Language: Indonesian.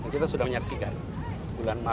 kita sudah menyaksikan